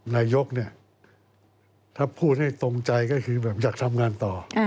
นายยกถ้าพูดให้ตรงใจก็คืออยากทำงานต่อ